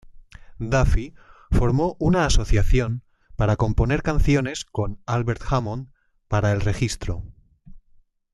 Duffy formó una asociación para componer canciones con Albert Hammond para el registro.